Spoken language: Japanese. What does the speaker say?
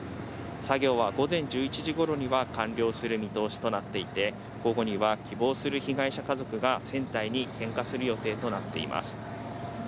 作業は午前１１時頃には完了する見通しとなっていて、午後には希望する被害者家族が船体に献花する予定となっています。